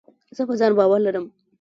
زه په ځان باور لرم.